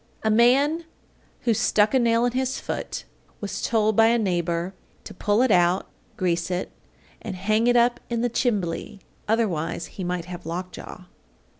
A man who "stuck a nail in his foot" was told by a neighbor to pull it out, grease it, and hang it up in the "chimbly," otherwise he might have lockjaw.